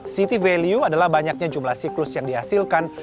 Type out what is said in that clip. city value adalah banyaknya jumlah siklus yang dihasilkan